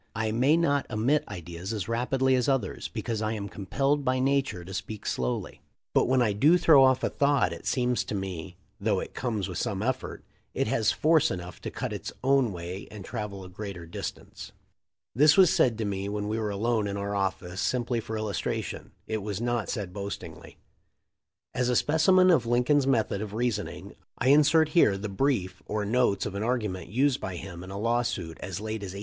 I may not emit ideas as rapidly as others, because I am compelled by nature to speak slowly, but when I do throw off a thought it seems to me, though it comes with some effort, it has force enough to cut its own way and travel a greater distance." This was said to me when we were alone in our office simply for illustration. It was not said boastingly. As a specimen of Lincoln's method of reasoning I insert here the brief or notes of an argument used by him in a lawsuit as late as 1858.